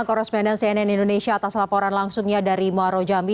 korresponden cnn indonesia atas laporan langsungnya dari muarro jambi